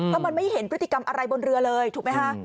เพราะมันไม่เห็นพฤติกรรมอะไรบนเรือเลยถูกไหมคะ